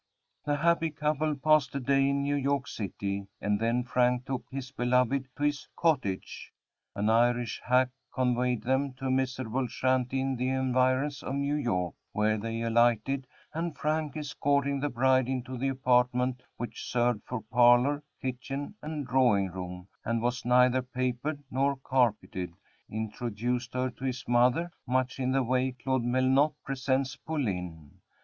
The happy couple passed a day in New York city, and then Frank took his beloved to his "cottage." An Irish hack conveyed them to a miserable shanty in the environs of New York, where they alighted, and Frank, escorting the bride into the apartment which served for parlor, kitchen, and drawing room, and was neither papered nor carpeted, introduced her to his mother, much in the way Claude Melnotte presents Pauline.